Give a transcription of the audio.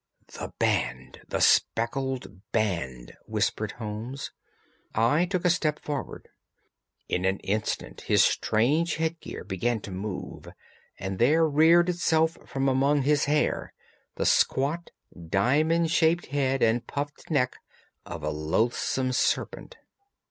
"The band! the speckled band!" whispered Holmes. I took a step forward. In an instant his strange headgear began to move, and there reared itself from among his hair the squat diamond shaped head and puffed neck of a loathsome serpent.